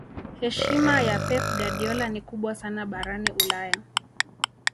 heshima ya pep guardiola ni kubwa sana barani ulaya